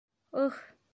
Ыһ!